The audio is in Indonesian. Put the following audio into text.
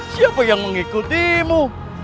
siapa yang mengikutimu